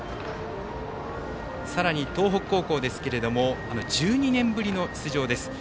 さらに東北高校ですが１２年ぶりの出場です。